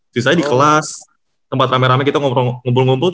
sisanya di kelas tempat rame rame kita ngumpul ngumpul